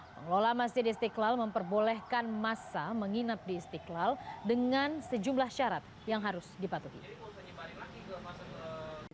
pengelola masjid istiqlal memperbolehkan masa menginap di istiqlal dengan sejumlah syarat yang harus dipatuhi